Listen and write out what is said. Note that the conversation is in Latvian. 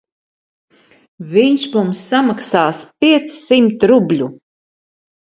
Viņš mums samaksās piecsimt rubļu.